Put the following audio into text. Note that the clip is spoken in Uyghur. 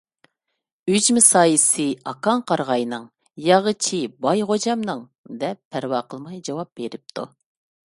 — ئۈجمە سايىسى ئاكاڭ قارىغاينىڭ، ياغىچى باي غوجامنىڭ، — دەپ پەرۋا قىلماي جاۋاب بېرىپتۇ.